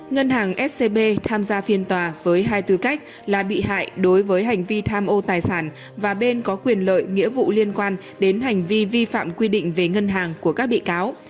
ngân hàng scb tham gia phiên tòa với hai tư cách là bị hại đối với hành vi tham ô tài sản và bên có quyền lợi nghĩa vụ liên quan đến hành vi vi phạm quy định về ngân hàng của các bị cáo